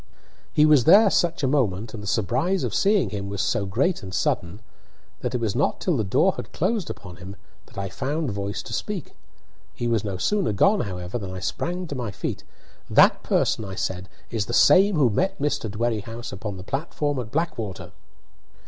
He was there such a moment, and the surprise of seeing him was so great and sudden, that it was not till the door had closed upon him that I found voice to speak. He was no sooner gone, however, than I sprang to my feet. "That person," I said, "is the same who met Mr. Dwerrihouse upon the platform at Blackwater!"